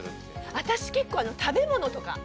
私結構食べ物とか。